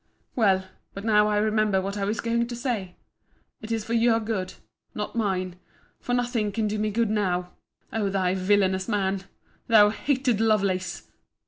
Well, but now I remember what I was going to say—it is for your good—not mine—for nothing can do me good now!—O thou villanous man! thou hated Lovelace!